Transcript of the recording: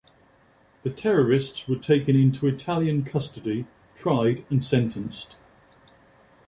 The terrorists were taken into Italian custody, tried and sentenced.